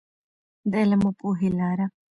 د علم او پوهې لاره.